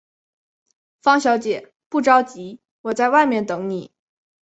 方小姐，不着急，我在外面等妳。